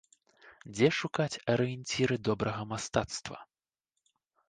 Дзе шукаць арыенціры добрага мастацтва?